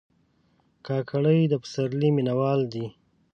کاکړي د پسرلي مینهوال دي.